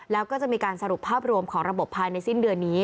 แล้วก็จะมีการสรุปภาพรวมของระบบภายในสิ้นเดือนนี้